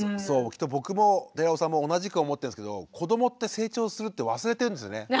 そうきっと僕も寺尾さんも同じく思ってるんですけども子どもって成長するって忘れてるんですよね。